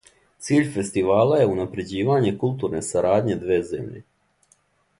Циљ фестивала је унапређивање културне сарадње две земље.